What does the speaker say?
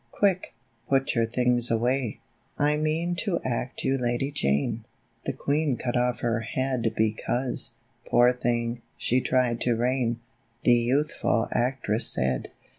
Quick! put your things away. LADY JANE. 21 "I mean to act you Lady Jane; The queen cut off her head Because, poor thing, she tried to reign, The youthful actress said.